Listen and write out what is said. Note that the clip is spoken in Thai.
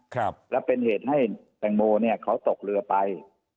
ครับแล้วเป็นเหตุให้แตงโมเนี่ยเขาตกเรือไป